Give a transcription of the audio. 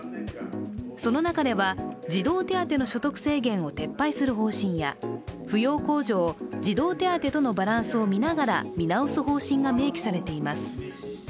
その中では、児童手当の所得制限を撤廃する方針や、扶養控除を児童手当とのバランスをみながら見直す方針が明記されています。